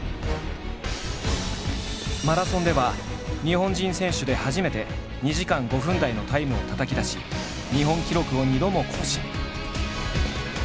マラソンでは日本人選手で初めて２時間５分台のタイムをたたき出し日本記録を２度も更新。